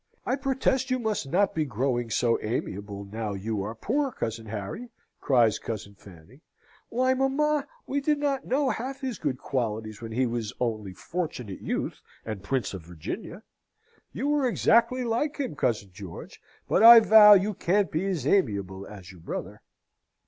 "I protest you must not be growing so amiable now you are poor, cousin Harry!" cries cousin Fanny. "Why, mamma, we did not know half his good qualities when he was only Fortunate Youth and Prince of Virginia! You are exactly like him, cousin George, but I vow you can't be as amiable as your brother!"